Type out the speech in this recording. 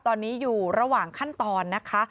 ตอนนี้อยู่ระหว่างขั้นตอนนะคะ